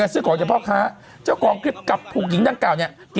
สืบของเฉพาะค้าเจ้ากลับห่างถูกหญิงตั้งเก่าเนี่ย